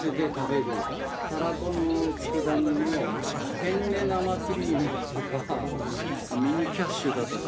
たらこの佃煮のペンネ生クリームだとかミニキッシュだとか。